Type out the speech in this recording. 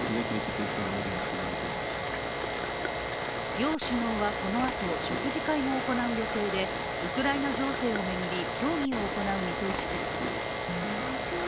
両首脳はこのあと食事会も行う予定で、ウクライナ情勢を巡り、協議を行う見通しです。